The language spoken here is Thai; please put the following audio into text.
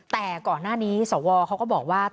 แต่ก่อนหน้านี้สวเขาก็บอกว่า